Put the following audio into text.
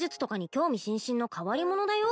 興味津々の変わり者だよ